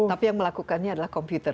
tapi yang melakukannya adalah komputer